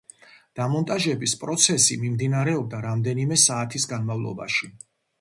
დამონტაჟების პროცესი მიმდინარეობდა რამდენიმე საათის განმავლობაში.